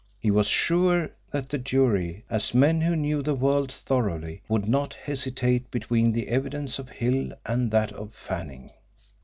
He was sure that the jury, as men who knew the world thoroughly, would not hesitate between the evidence of Hill and that of Fanning.